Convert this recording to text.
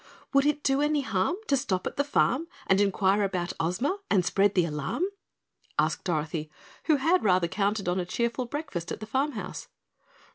"Would it do any harm to stop at the farm And enquire about Ozma and spread the alarm?" asked Dorothy, who had rather counted on a cheerful breakfast at the farm house.